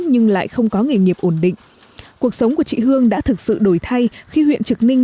nhưng lại không có nghề nghiệp ổn định cuộc sống của chị hương đã thực sự đổi thay khi huyện trực ninh